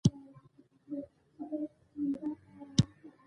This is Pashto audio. بادي انرژي د افغانانو د معیشت سرچینه ده.